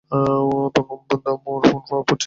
বন্ধু, আম্মুর ফোনটা অফ পাচ্ছি!